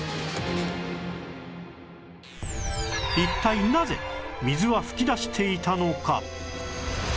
一体なぜ水は噴き出していたのか？